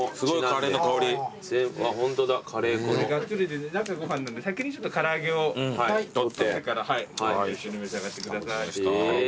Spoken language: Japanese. ガッツリで中ご飯なので先にちょっと唐揚げを取ってから一緒に召し上がってください。